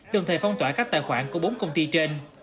đồng thời phong tỏa các tài khoản của bốn công ty trên